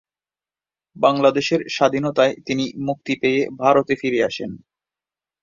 বাংলাদেশের স্বাধীনতায় তিনি মুক্তি পেয়ে ভারতে ফিরে আসেন।